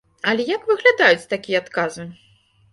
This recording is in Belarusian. Але як выглядаюць такія адказы?